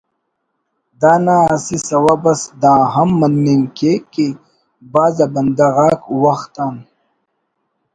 دانا اسہ سوب اس دا ہم مننگ کیک کہ بھاز آ بندغ آک وخت آن